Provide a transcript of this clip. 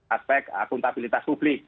aspek akuntabilitas publik